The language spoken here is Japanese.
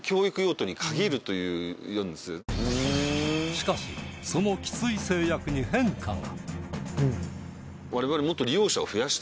しかしそのきつい制約に変化が！